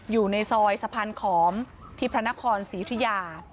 อยู่ในซอยสะพานขอมที่พระนครศรียุธิยา